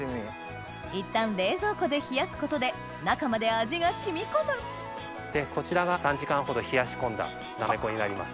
いったん冷蔵庫で冷やすことで中まで味が染み込むこちらが３時間ほど冷やし込んだなめこになります。